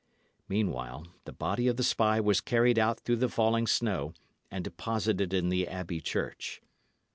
Meanwhile, the body of the spy was carried out through the falling snow and deposited in the abbey church.